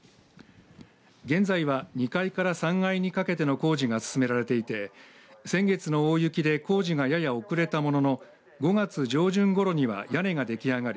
現在は２階から３階にかけての工事が進められていて先月の大雪で工事がやや遅れたものの５月上旬ごろには屋根ができ上がり。